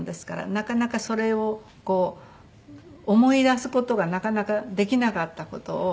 なかなかそれを思い出す事がなかなかできなかった事を。